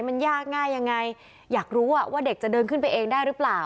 มันยากง่ายยังไงอยากรู้ว่าเด็กจะเดินขึ้นไปเองได้หรือเปล่า